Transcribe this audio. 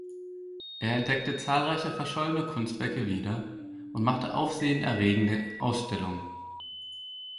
Er entdeckte zahlreiche verschollene Kunstwerke wieder und machte aufsehenerregende Ausstellungen.